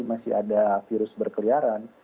masih ada virus berkeliaran